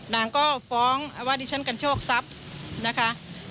นางก็ฟ้องว่าดิฉันกันโชคทรัพย์นะคะ